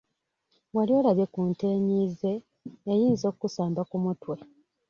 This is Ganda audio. Wali olabye ku nte enyiize, eyinza okusamba ku mutwe.